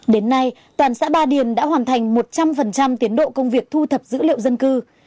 đến nay toàn xã ba điền đã hoàn thành một trăm linh tiến độ công việc thu thập dữ liệu dân cư